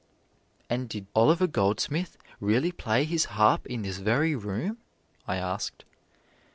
"And did Oliver Goldsmith really play his harp in this very room?" I asked.